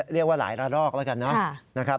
เรียกว่าหลายระลอกแล้วกันนะครับ